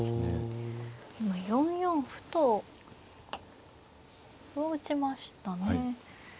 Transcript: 今４四歩と歩を打ちましたね。